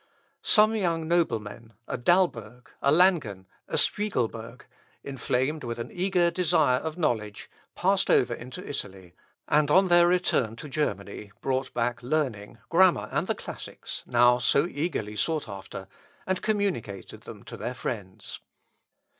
Some young noblemen, a Dalberg, a Langen, a Spiegelberg, inflamed with an eager desire of knowledge, passed over into Italy, and on their return to Germany, brought back learning, grammar, and the classics, now so eagerly sought after, and communicated them to their friends.